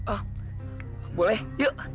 oh boleh yuk